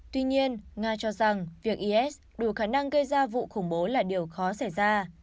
tuy nhiên nga cho rằng việc is đủ khả năng gây ra vụ khủng bố là điều khó xảy ra